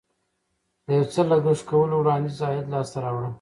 د یو څه لګښت کولو وړاندې عاید لاسته راوړه.